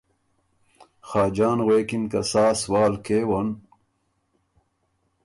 خاجان غوېکِن که سا سوال کېون